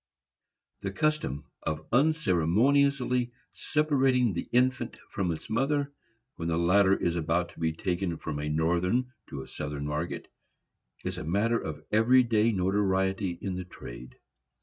The custom of unceremoniously separating the infant from its mother, when the latter is about to be taken from a Northern to a Southern market, is a matter of every day notoriety in the trade.